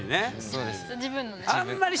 そうです。